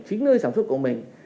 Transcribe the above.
chính nơi sản xuất của mình